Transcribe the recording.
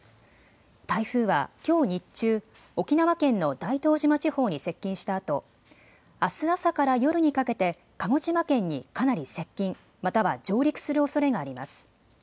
台風はきょう日中、沖縄県の大東島地方に接近したあとあす朝から夜にかけて鹿児島県にかなり接近、または上陸するおそれがあります。